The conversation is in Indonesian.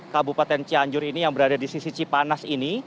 kabupaten cianjur ini yang berada di sisi cipanas ini